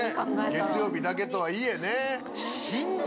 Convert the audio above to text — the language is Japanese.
月曜日だけとはいえね。